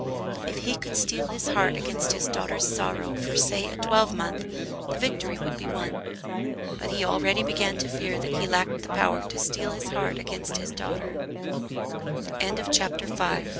If he could steel his heart against his daughter's sorrow for, say, a twelvemonth, the victory would be won. But he already began to fear that he lacked the power to steel his heart against his daughter. CHAPTER VI An Old Friend Goes to Windsor "And